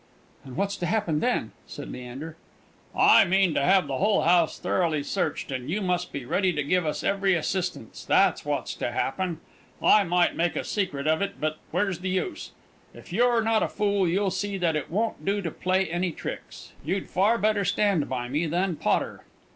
"And what's to happen then?" said Leander. "I mean to have the whole house thoroughly searched and you must be ready to give us every assistance that's what's to happen. I might make a secret of it; but where's the use? If you're not a fool, you'll see that it won't do to play any tricks. You'd far better stand by me than Potter."